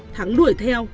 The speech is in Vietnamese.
thắng đuổi theo